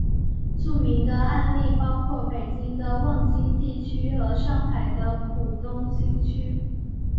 著名的案例包括北京的望京地区和上海的浦东新区。